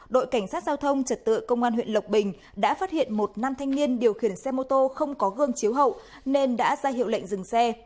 đội cảnh sát giao thông trật tự công an huyện lộc bình đã phát hiện một nam thanh niên điều khiển xe mô tô không có gương chiếu hậu nên đã ra hiệu lệnh dừng xe